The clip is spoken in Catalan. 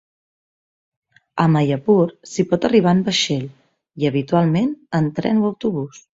A Mayapur s'hi pot arribar en vaixell i, habitualment, en tren o autobús.